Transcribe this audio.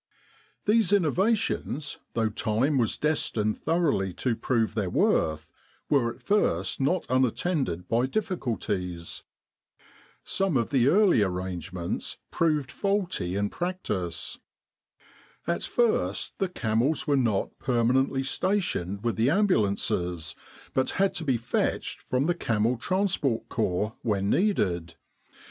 These innovations, though time was destined thoroughly to prove their worth, were at first not unattended by difficulties. Some of the early arrange So Desert Warfare ments proved faulty in practice. At first the camels were not permanently stationed with the Ambulances, but had to be fetched from the Camel Transport Corps when needed.